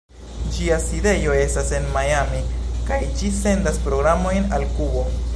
Ĝia sidejo estas en Miami kaj ĝi sendas programojn al Kubo.